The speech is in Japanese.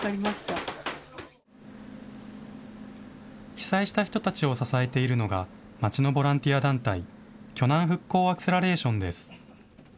被災した人たちを支えているのが町のボランティア団体鋸南復興アクセラレーションです。